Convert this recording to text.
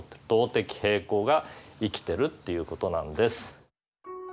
動的平衡が生きてるっていうことなんです。